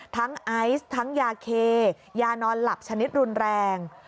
ไอซ์ทั้งยาเคยานอนหลับชนิดรุนแรง